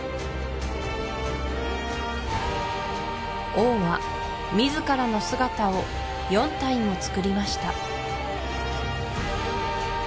王は自らの姿を４体もつくりました